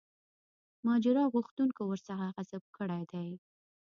ماجرا غوښتونکو ورڅخه غصب کړی دی.